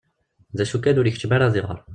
D acu kan ur ikeččem ara ad iɣer.